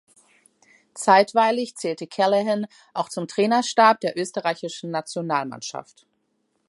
Zeitweilig zählte Callahan auch zum Trainerstab der österreichischen Nationalmannschaft.